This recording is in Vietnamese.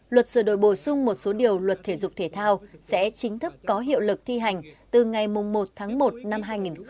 luật sửa đổi bổ sung một số điều luật thể dục thể thao sẽ chính thức có hiệu lực thi hành từ ngày một tháng một năm hai nghìn hai mươi